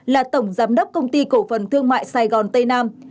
là tổng giám đốc công ty cổ phần thương mại sài gòn tây nam